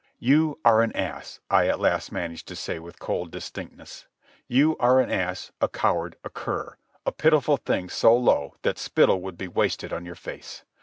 "You are an ass," I at last managed to say with cold distinctness. "You are an ass, a coward, a cur, a pitiful thing so low that spittle would be wasted on your face.